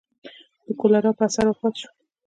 د کولرا په اثر وفات شو.